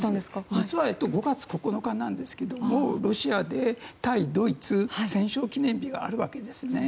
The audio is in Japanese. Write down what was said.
実は５月９日なんですがロシアで対ドイツ戦勝記念日があるわけですね。